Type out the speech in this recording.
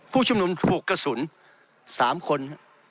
ผู้ชุมนุมถูกกระสุน๓คน